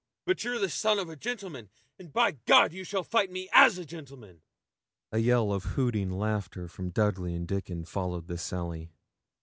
'But you're the son of a gentleman, and by you shall fight me as a gentleman.' A yell of hooting laughter from Dudley and Dickon followed this sally.